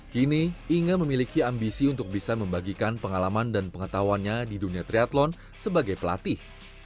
kini inge memiliki ambisi untuk bisa membagikan pengalaman dan pengetahuannya di dunia triathlon sebagai pelatih